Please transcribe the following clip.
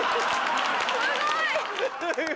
すごい！